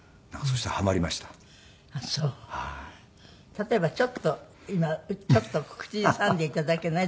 例えばちょっと今ちょっと口ずさんで頂けない？